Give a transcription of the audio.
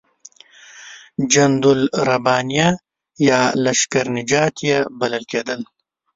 جنودالربانیه یا لشکر نجات یې بلل کېدل.